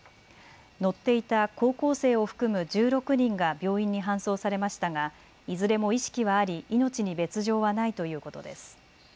乗っていた高校生を含む１６人が病院に搬送されましたがいずれも意識はあり命に別状はないということです。